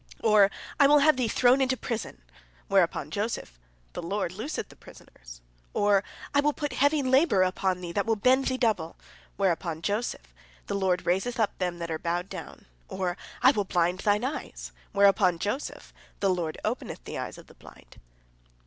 Or, "I will have thee thrown into prison;" whereupon Joseph, "The Lord looseth the prisoners." Or, "I will put heavy labor upon thee that will bend thee double;" whereupon Joseph, "The Lord raiseth up them that are bowed down." Or, "I will blind thine eyes;" whereupon Joseph, "The Lord openeth the eyes of the blind."